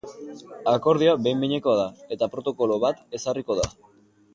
Akordio behin-behineko da eta protokolo bat ezarriko da.